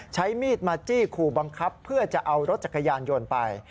ใช้มีดมาจี้ขู่บังคับเพื่อจะเอารถจักรยานยนต์ไป